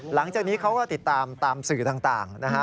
หลังจากนี้เขาก็ติดตามตามสื่อต่างนะฮะ